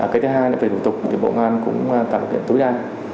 cái thứ hai về thủ tục bộ công an cũng tạo điều kiện tối đa